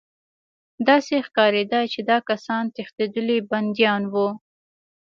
داسې ښکارېده چې دا کسان تښتېدلي بندیان وو